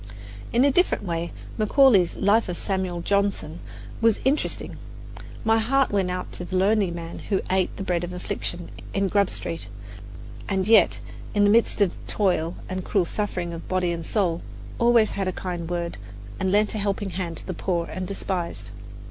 In a different way Macaulay's "Life of Samuel Johnson" was interesting. My heart went out to the lonely man who ate the bread of affliction in Grub Street, and yet, in the midst of toil and cruel suffering of body and soul, always had a kind word, and lent a helping hand to the poor and despised.